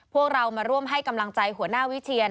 พวกเรามาร่วมให้กำลังใจหัวหน้าวิเชียน